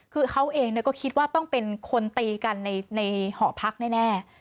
คือเขาเองก็คิดว่าต้องเป็นคนตีกันในหอพักแน่